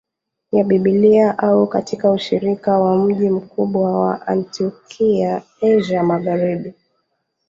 ya Biblia au katika ushirika wa mji mkubwa wa Antiokia Asia Magharibi